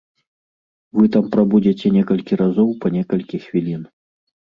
Вы там прабудзеце некалькі разоў па некалькі хвілін.